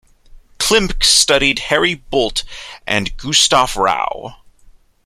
Klimke studied Harry Boldt and Gustaf Rau.